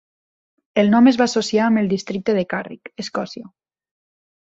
El nom es va associar amb el districte de Carrick, Escòcia.